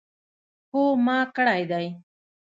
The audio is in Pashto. هو ما کړی دی